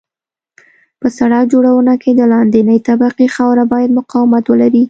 په سرک جوړونه کې د لاندنۍ طبقې خاوره باید مقاومت ولري